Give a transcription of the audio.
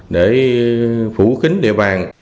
để phủ kính địa bàn